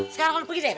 sekarang gue pergi deh